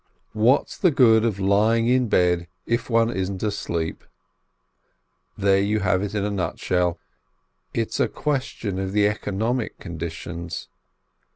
What's the good of lying in bed if one isn't asleep? There you have it in a nutshell — it's a question of the economic conditions.